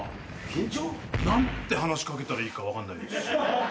何て話し掛けたらいいか分かんないですし。